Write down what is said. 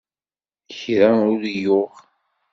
Kra ur i-yuɣ.